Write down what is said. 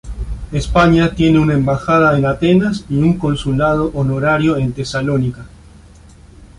España tiene una embajada en Atenas y un consulado honorario en Tesalónica.